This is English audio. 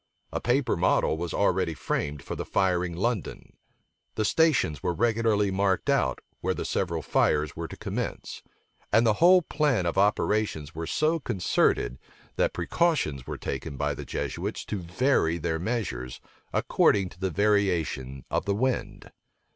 A paper model was already framed for the firing London; the stations were regularly marked out, where the several fires were to commence; and the whole plan of operations were so concerted, that precautions were taken by the Jesuits to vary their measures, according to the variation of the wind.